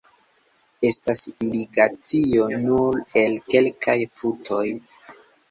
Estas irigacio nur el kelkaj putoj.